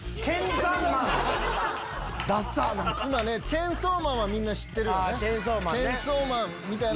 『チェンソーマン』はみんな知ってるよね？